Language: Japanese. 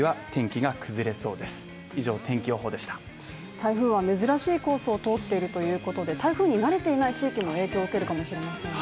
台風は珍しいコースを通っているということで台風になれていない地域も影響を受けるかもしれませんね。